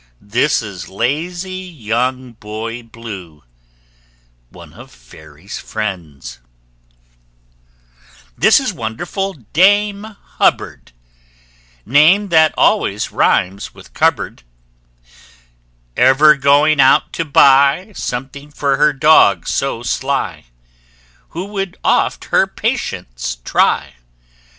This is lazy young Boy Blue ONE OF FAIRY'S FRIENDS. This is wonderful Dame Hubbard Name that always rhymes with cupboard Ever going out to buy Something for her dog so sly, Who would oft her patience try!